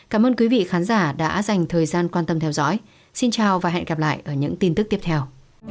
cảm ơn quý vị khán giả đã dành thời gian quan tâm theo dõi xin chào và hẹn gặp lại ở những tin tức tiếp theo